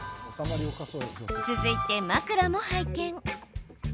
続いて、枕も拝見。